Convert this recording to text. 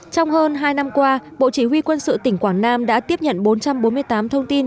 trong hơn hai năm qua bộ chỉ huy quân sự tỉnh quảng nam đã tiếp nhận bốn trăm bốn mươi tám thông tin